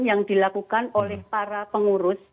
yang dilakukan oleh para pengurus